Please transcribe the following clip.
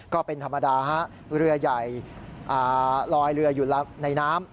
ก็เป็นธรรมดาฮะเรือใหญ่ลอยเรืออยู่ในน้ำ